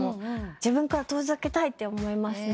自分から遠ざけたいと思いますね